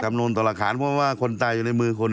จำนนท์ตลาดขาดเพราะว่าคนตายอยู่ในมือคุณ